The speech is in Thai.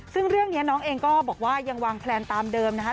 ซึ่งเรื่องนี้น้องเองก็บอกว่ายังวางแพลนตามเดิมนะคะ